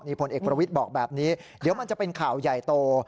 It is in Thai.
ผลเอกประวิทย์บอกแบบนี้เดี๋ยวมันจะเป็นข่าวใหญ่โต